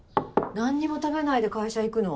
なんにも食べないで会社行くの？